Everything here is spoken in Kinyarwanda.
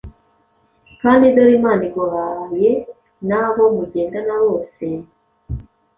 kandi dore Imana iguhaye n’abo mugendana bose.